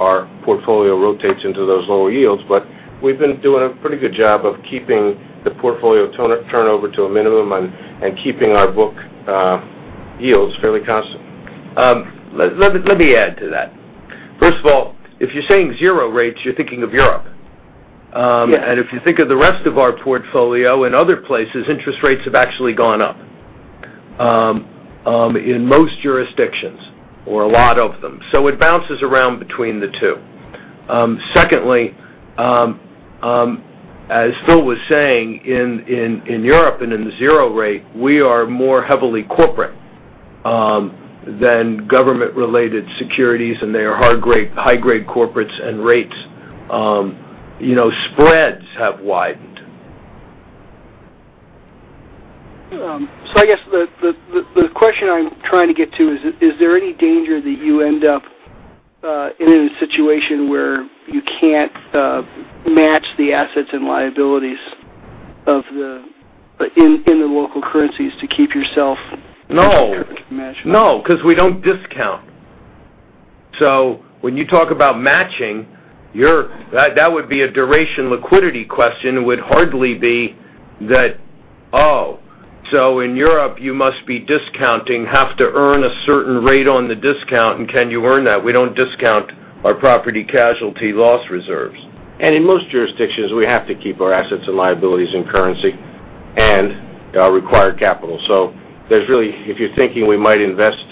our portfolio rotates into those lower yields, but we've been doing a pretty good job of keeping the portfolio turnover to a minimum and keeping our book yields fairly constant. Let me add to that. First of all, if you're saying zero rates, you're thinking of Europe. Yes. If you think of the rest of our portfolio, in other places, interest rates have actually gone up in most jurisdictions or a lot of them. It bounces around between the two. Secondly, as Phil was saying, in Europe and in the zero rate, we are more heavily corporate than government-related securities, and they are high-grade corporates and rates. Spreads have widened. I guess the question I'm trying to get to is there any danger that you end up in a situation where you can't match the assets and liabilities in the local currencies to keep yourself? No matched up? No, because we don't discount. When you talk about matching, that would be a duration liquidity question. It would hardly be that, "Oh, so in Europe, you must be discounting, have to earn a certain rate on the discount, and can you earn that?" We don't discount our property casualty loss reserves. In most jurisdictions, we have to keep our assets and liabilities in currency and our required capital. If you're thinking we might invest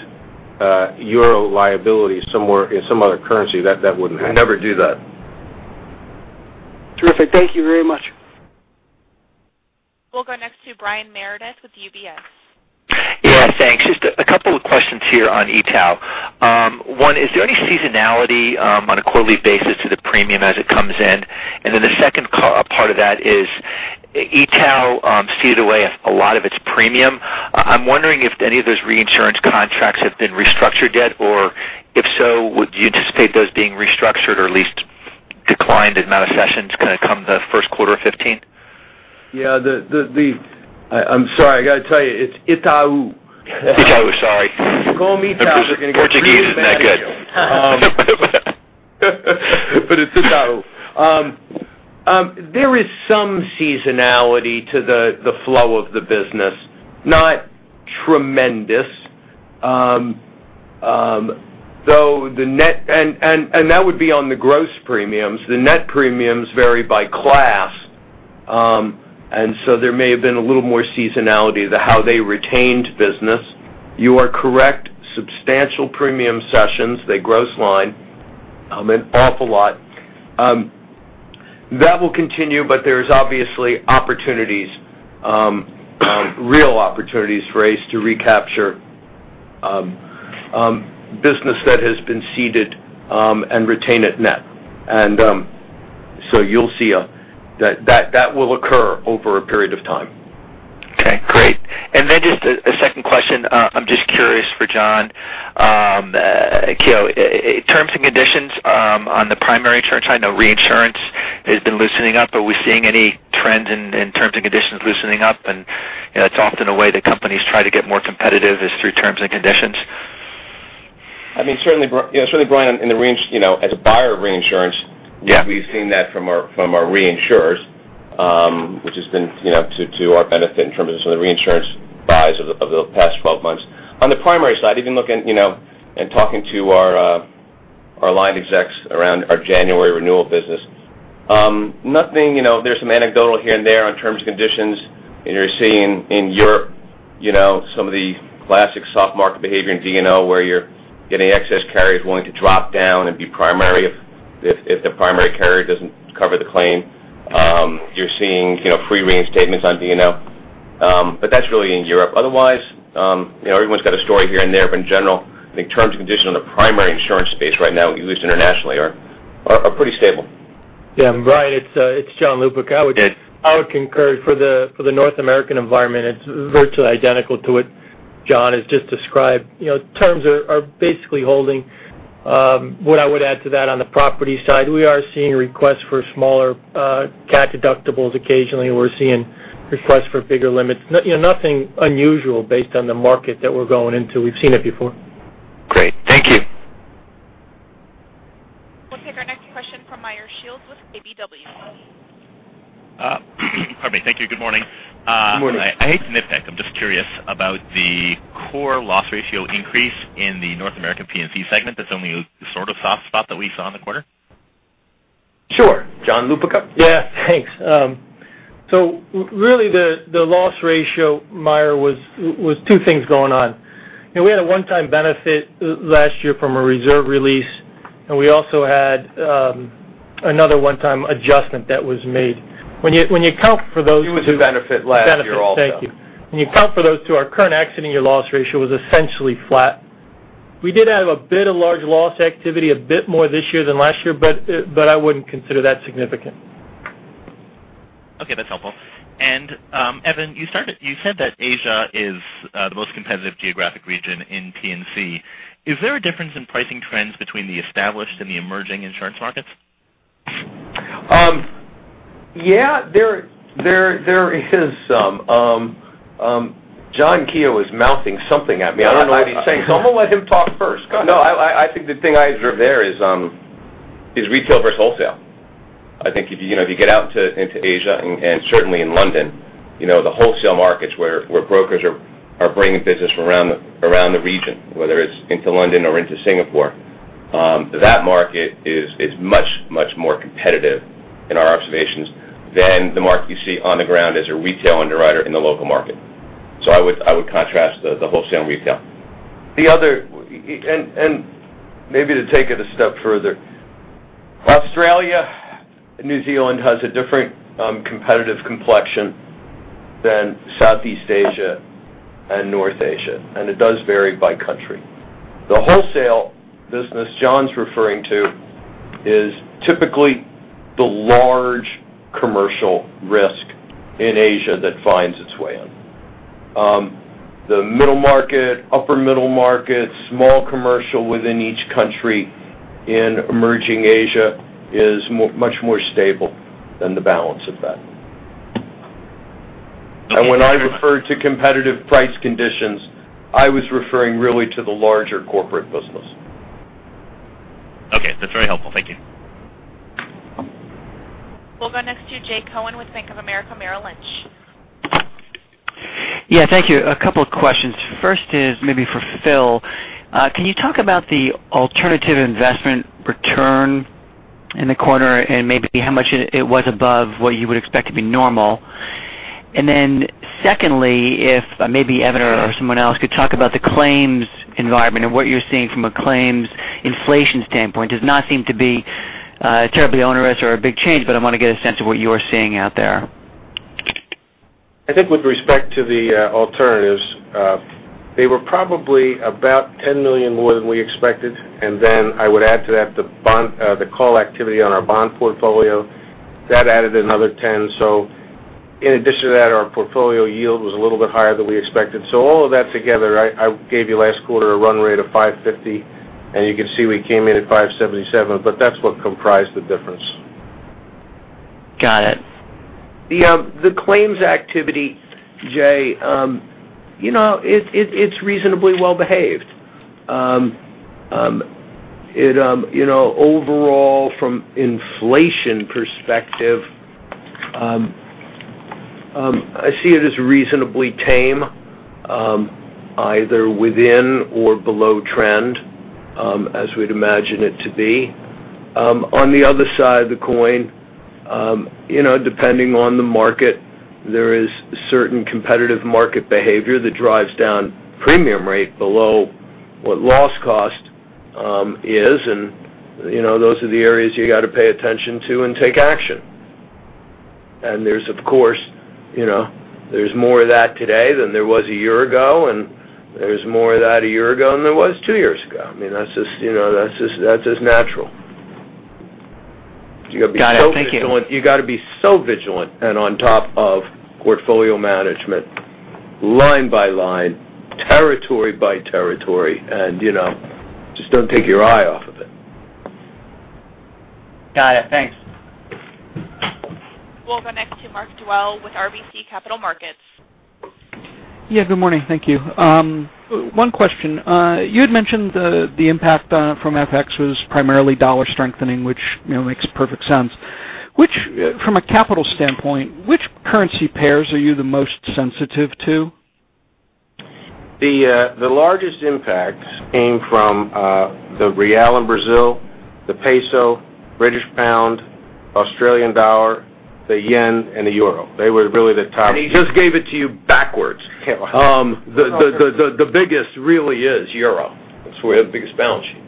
EUR liabilities in some other currency, that wouldn't happen. We never do that. Terrific. Thank you very much. We'll go next to Brian Meredith with UBS. Thanks. Just a couple of questions here on Itaú. Is there any seasonality on a quarterly basis to the premium as it comes in? The second part of that is, Itaú ceded away a lot of its premium. I'm wondering if any of those reinsurance contracts have been restructured yet? If so, would you anticipate those being restructured or at least declined as retrocessions kind of come the first quarter of 2015? Yeah. I'm sorry, I got to tell you, it's Itaú. Itaú, sorry. You call me Itaú, we're going to get really mad at you. My Portuguese isn't that good. It's Itaú. There is some seasonality to the flow of the business. Not tremendous. That would be on the gross premiums. The net premiums vary by class, and so there may have been a little more seasonality to how they retained business. You are correct, substantial premium sessions, the gross line, an awful lot. That will continue, but there's obviously opportunities, real opportunities for ACE to recapture business that has been ceded and retain it net. You'll see that will occur over a period of time. Okay, great. Then just a second question. I'm just curious for John Keogh. Terms and conditions on the primary insurance, I know reinsurance has been loosening up. Are we seeing any trends in terms of conditions loosening up? It's often a way that companies try to get more competitive is through terms and conditions. I mean, certainly, Brian, as a buyer of reinsurance. Yeah We've seen that from our reinsurers, which has been to our benefit in terms of some of the reinsurance buys of the past 12 months. On the primary side, even looking and talking to our line execs around our January renewal business. There's some anecdotal here and there on terms and conditions, and you're seeing in Europe some of the classic soft market behavior in D&O, where you're getting excess carriers willing to drop down and be primary if the primary carrier doesn't cover the claim. You're seeing free reinstatements on D&O. That's really in Europe. Otherwise, everyone's got a story here and there, but in general, I think terms and conditions in the primary insurance space right now, at least internationally, are pretty stable. Yeah, Brian, it's John Lupica. Yes. I would concur for the North American environment, it's virtually identical to what John has just described. Terms are basically holding. What I would add to that on the property side, we are seeing requests for smaller cat deductibles occasionally, and we're seeing requests for bigger limits. Nothing unusual based on the market that we're going into. We've seen it before. Great. Thank you. We'll take our next question from Meyer Shields with KBW. Pardon me. Thank you. Good morning. Good morning. I hate to nitpick. I'm just curious about the core loss ratio increase in the North American P&C segment. That's the only sort of soft spot that we saw in the quarter. Sure. John Lupica? Yeah. Thanks. Really the loss ratio, Meyer, was two things going on. We had a one-time benefit last year from a reserve release, and we also had another one-time adjustment that was made. When you account for those two- It was a benefit last year also benefit, thank you. When you account for those two, our current accident year loss ratio was essentially flat. We did have a bit of large loss activity, a bit more this year than last year, but I wouldn't consider that significant. Okay, that's helpful. Evan, you said that Asia is the most competitive geographic region in P&C. Is there a difference in pricing trends between the established and the emerging insurance markets? Yeah, there is some. John Keogh is mouthing something at me. I don't know what he's saying, I'm going to let him talk first. Go ahead. I think the thing I observe there is retail versus wholesale. I think if you get out into Asia and certainly in London, the wholesale markets where brokers are bringing business from around the region, whether it's into London or into Singapore, that market is much, much more competitive in our observations than the market you see on the ground as a retail underwriter in the local market. I would contrast the wholesale and retail. The other, maybe to take it a step further. Australia, New Zealand has a different competitive complexion than Southeast Asia and North Asia, and it does vary by country. The wholesale business John's referring to is typically the large commercial risk in Asia that finds its way in. The middle market, upper middle market, small commercial within each country in emerging Asia is much more stable than the balance of that. When I refer to competitive price conditions, I was referring really to the larger corporate business. Okay. That's very helpful. Thank you. We'll go next to Jay Cohen with Bank of America Merrill Lynch. Thank you. A couple of questions. First is maybe for Phil. Can you talk about the alternative investment return in the quarter and maybe how much it was above what you would expect to be normal? Secondly, if maybe Evan or someone else could talk about the claims environment and what you're seeing from a claims inflation standpoint. Does not seem to be terribly onerous or a big change, but I want to get a sense of what you're seeing out there. I think with respect to the alternatives, they were probably about $10 million more than we expected. I would add to that the call activity on our bond portfolio. That added another $10 million. In addition to that, our portfolio yield was a little bit higher than we expected. All of that together, I gave you last quarter a run rate of $550 million, and you can see we came in at $577 million, but that's what comprised the difference. Got it. The claims activity, Jay, it's reasonably well-behaved. Overall, from inflation perspective, I see it as reasonably tame, either within or below trend, as we'd imagine it to be. On the other side of the coin, depending on the market, there is certain competitive market behavior that drives down premium rate below what loss cost is, and those are the areas you got to pay attention to and take action. There's, of course, more of that today than there was a year ago, and there's more of that a year ago than there was two years ago. That's just natural. Got it. Thank you. You got to be so vigilant and on top of portfolio management line by line, territory by territory, and just don't take your eye off of it. Got it, thanks. We'll go next to Mark Dwelle with RBC Capital Markets. Yeah, good morning. Thank you. One question. You had mentioned the impact from FX was primarily dollar strengthening, which makes perfect sense. From a capital standpoint, which currency pairs are you the most sensitive to? The largest impacts came from the real in Brazil, the peso, British pound, Australian dollar, the yen, and the euro. He just gave it to you backwards. The biggest really is euro. That's where we have the biggest balance sheet.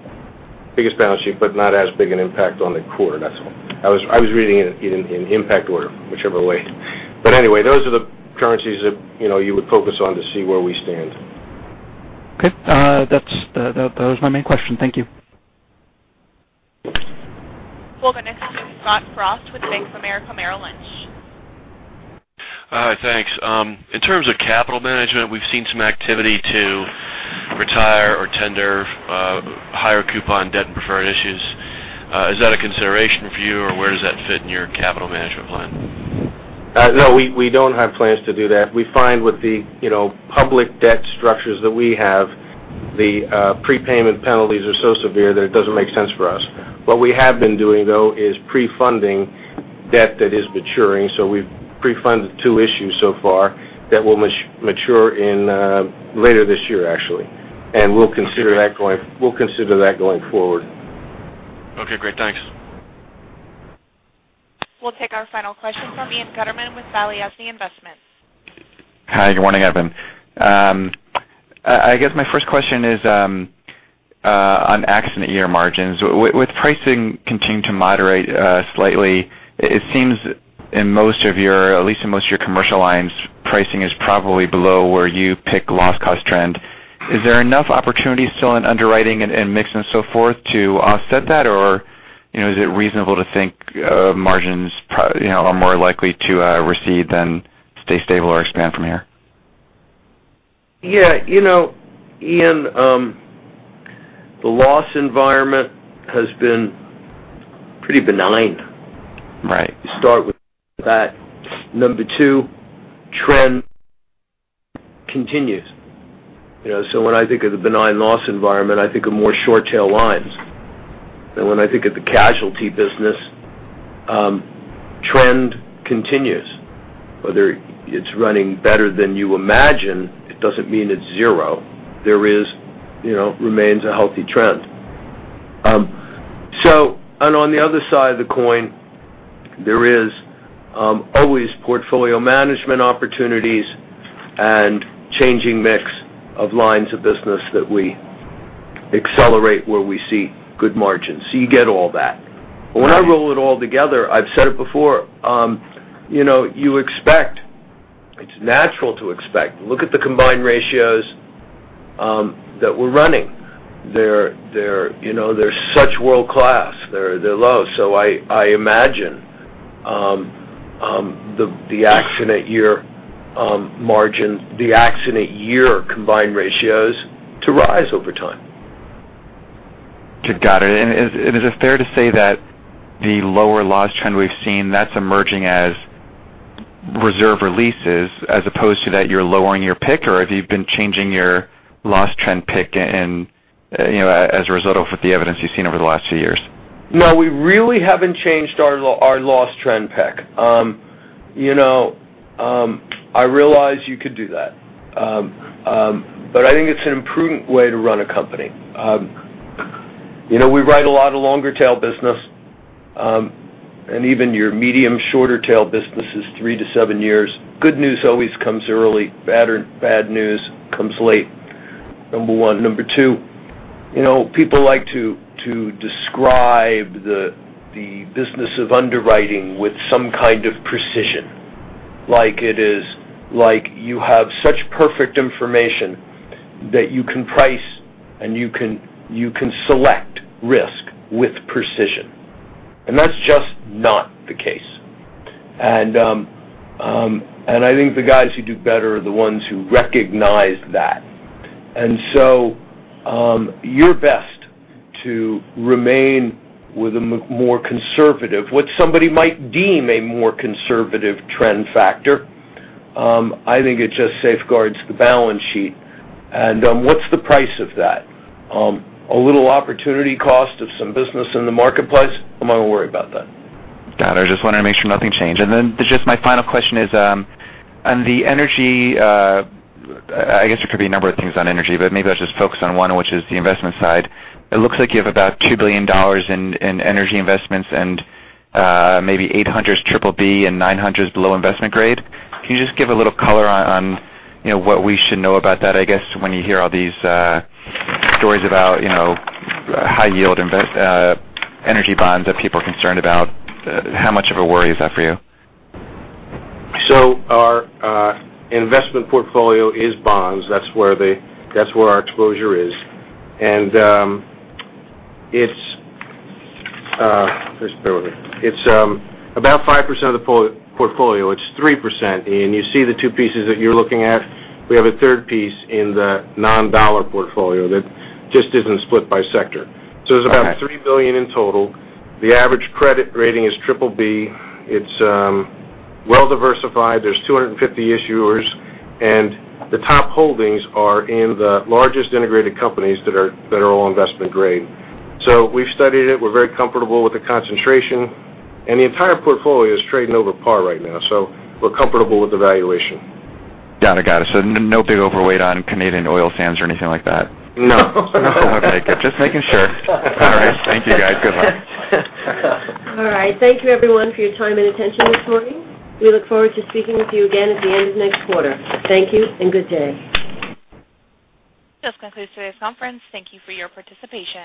Biggest balance sheet, but not as big an impact on the quarter, that's all. I was reading it in impact order, whichever way. Anyway, those are the currencies that you would focus on to see where we stand. Okay. That was my main question. Thank you. We'll go next to Scott Frost with Bank of America Merrill Lynch. Hi, thanks. In terms of capital management, we've seen some activity to retire or tender higher coupon debt and preferred issues. Is that a consideration for you, or where does that fit in your capital management plan? No, we don't have plans to do that. We find with the public debt structures that we have, the prepayment penalties are so severe that it doesn't make sense for us. What we have been doing, though, is pre-funding debt that is maturing. We've pre-funded two issues so far that will mature in later this year, actually. We'll consider that going forward. Okay, great. Thanks. We'll take our final question from Ian Gutterman with Balyasny Asset Management. Hi, good morning, Evan. I guess my first question is on accident year margins. With pricing continuing to moderate slightly, it seems in most of your, at least in most of your commercial lines, pricing is probably below where you pick loss cost trend. Is there enough opportunity still in underwriting and mix and so forth to offset that, or is it reasonable to think margins are more likely to recede than stay stable or expand from here? Ian, the loss environment has been pretty benign. Right. Start with that. Number two, trend continues. When I think of the benign loss environment, I think of more short tail lines. When I think of the casualty business, trend continues. Whether it's running better than you imagine, it doesn't mean it's zero. There remains a healthy trend. On the other side of the coin, there is always portfolio management opportunities and changing mix of lines of business that we accelerate where we see good margins. You get all that. When I roll it all together, I've said it before, you expect, it's natural to expect. Look at the combined ratios that we're running. They're such world-class. They're low. I imagine the accident year combined ratios to rise over time. Got it. Is it fair to say that the lower loss trend we've seen, that's emerging as reserve releases, as opposed to that you're lowering your pick, or have you been changing your loss trend pick as a result of the evidence you've seen over the last few years? No, we really haven't changed our loss trend pick. I realize you could do that. I think it's an imprudent way to run a company. We write a lot of longer tail business, and even your medium shorter tail business is three to seven years. Good news always comes early, bad news comes late. Number one. Number two, people like to describe the business of underwriting with some kind of precision. Like you have such perfect information that you can price and you can select risk with precision, and that's just not the case. I think the guys who do better are the ones who recognize that. You're best to remain with a more conservative, what somebody might deem a more conservative trend factor. I think it just safeguards the balance sheet. What's the price of that? A little opportunity cost of some business in the marketplace. I'm not worried about that. Got it. I just wanted to make sure nothing changed. Just my final question is, on the energy, I guess there could be a number of things on energy, but maybe I'll just focus on one, which is the investment side. It looks like you have about $2 billion in energy investments and, maybe $800's BBB, and $900's below investment grade. Can you just give a little color on what we should know about that, I guess when you hear all these stories about high yield energy bonds that people are concerned about, how much of a worry is that for you? Our investment portfolio is bonds. That's where our exposure is. It's about 5% of the portfolio. It's 3%, and you see the two pieces that you're looking at. We have a third piece in the non-dollar portfolio that just isn't split by sector. Okay. There's about $3 billion in total. The average credit rating is BBB. It's well-diversified. There's 250 issuers, and the top holdings are in the largest integrated companies that are all investment grade. We've studied it. We're very comfortable with the concentration, and the entire portfolio is trading over par right now, so we're comfortable with the valuation. Got it. No big overweight on Canadian oil sands or anything like that? No. Okay. Just making sure. All right. Thank you, guys. Good luck. All right. Thank you everyone for your time and attention this morning. We look forward to speaking with you again at the end of next quarter. Thank you and good day. This concludes today's conference. Thank you for your participation.